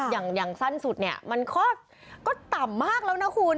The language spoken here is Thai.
อย่างสั้นสุดเนี่ยมันก็ต่ำมากแล้วนะคุณ